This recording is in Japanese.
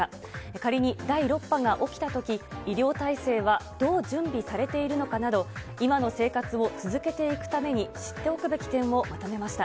仮に第６波が起きたとき、医療体制はどう準備されているのかなど、今の生活を、続けていくために知っておくべき点をまとめました。